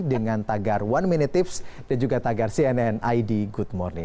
dengan tagar one minute tips dan juga tagar cnn id good morning